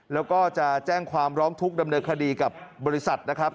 แล้วก็จะแจ้งความร้องทุกข์ดำเนินคดีกับบริษัทนะครับ